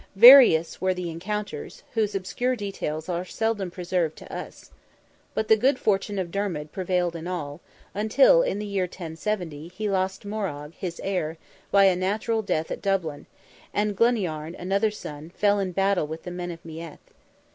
Various were the encounters, whose obscure details are seldom preserved to us. But the good fortune of Dermid prevailed in all, until, in the year 1070, he lost Morrogh, his heir, by a natural death at Dublin, and Gluniarn, another son, fell in battle with the men of Meath.